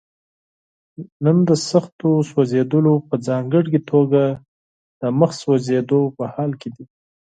نن د سختو سوځېدلو په ځانګړي توګه د مخ سوځېدو په حال کې دي.